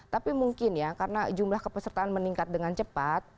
tapi mungkin ya karena jumlah kepesertaan meningkat dengan cepat